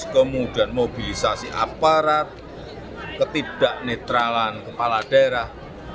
kemudian mobilisasi aparat ketidaknetralan kepala daerah